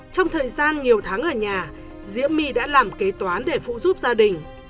trong thời gian nhiều tháng ở nhà diễm my đã làm kế toán để phụ giúp gia đình